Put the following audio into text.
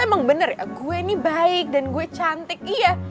emang bener ya gue ini baik dan gue cantik iya